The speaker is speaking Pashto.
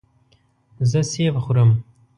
زه سیب خورم.